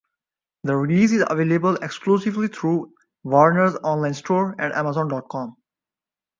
The release is available exclusively through Warner's online store and Amazon dot com.